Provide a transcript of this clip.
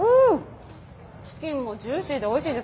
チキンもジューシーでおいしいです。